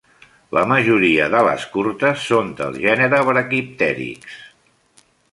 La majoria d'ales curtes són del gènere "Brachypteryx".